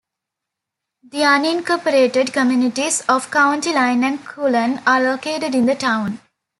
The unincorporated communities of County Line and Cullen are located in the town.